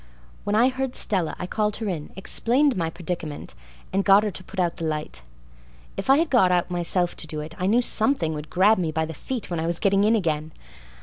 When I heard Stella I called her in, explained my predicament, and got her to put out the light. If I had got out myself to do it I knew something would grab me by the feet when I was getting in again.